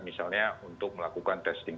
misalnya untuk melakukan testing